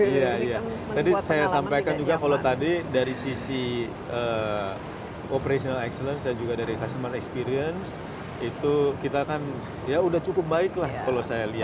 iya iya tadi saya sampaikan juga kalau tadi dari sisi operational excellence dan juga dari customer experience itu kita kan ya udah cukup baik lah kalau saya lihat